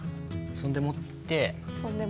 そんでもって。